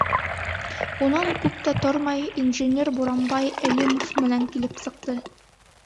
Унан күп тә тормай инженер Буранбай Әлимов менән килеп сыҡты.